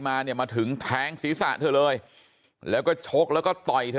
มาเนี่ยมาถึงแทงศีรษะเธอเลยแล้วก็ชกแล้วก็ต่อยเธอ